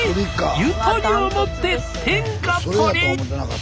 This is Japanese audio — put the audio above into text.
ゆとりをもって天下取り！